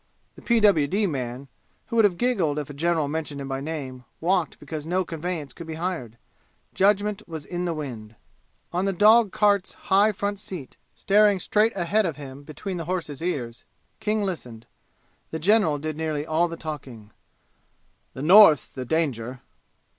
(The P.W.D. man, who would have giggled if a general mentioned him by name, walked because no conveyance could be hired. Judgment was in the wind.) On the dog cart's high front seat, staring straight ahead of him between the horse's ears, King listened. The general did nearly all the talking. "The North's the danger."